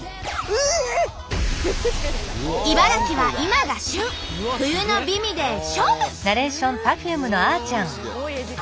茨城は今が旬冬の美味で勝負。